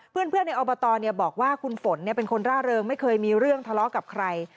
เพื่อนในอบตบอกว่าคุณฝนเป็นคนร่าเริงไม่เคยมีเรื่องทะเลาะกับใคร